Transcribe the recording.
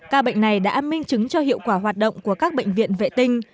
ca bệnh này đã minh chứng cho hiệu quả hoạt động của các bệnh viện vệ tinh